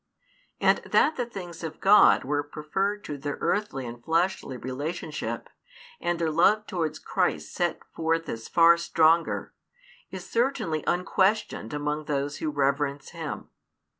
And that the things of God were preferred to their earthly and fleshly relationship, and their love towards Christ set forth as far stronger, is certainly unquestioned among those who reverence Him.